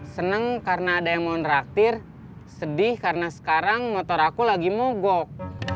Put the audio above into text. senang karena ada yang mau neraktir sedih karena sekarang motor aku lagi mogok